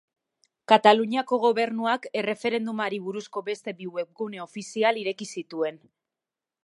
Kataluniako Gobernuak erreferendumari buruzko beste bi webgune ofizial ireki zituen.